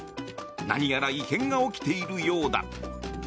何やら異変が起きているようだ。